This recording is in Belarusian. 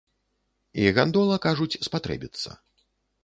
І гандола, кажуць, спатрэбіцца.